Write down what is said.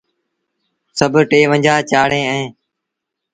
سڀ ٽيونجھآ چآڙيٚن اهيݩ۔